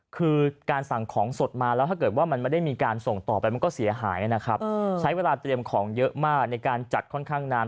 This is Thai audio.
การส่งต่อไปมันก็เสียหายนะครับใช้เวลาเตรียมของเยอะมากในการจัดค่อนข้างนาน